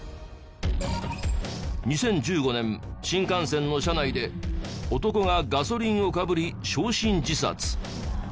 ２０１５年新幹線の車内で男がガソリンをかぶり焼身自殺。